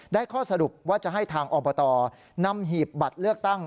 ข้อสรุปว่าจะให้ทางอบตนำหีบบัตรเลือกตั้ง